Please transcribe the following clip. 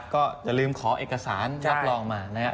ก็จะลืมขอเอกสารรับรองมานะครับ